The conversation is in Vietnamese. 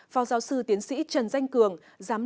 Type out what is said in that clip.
phó giáo sư tiến sĩ trần danh cường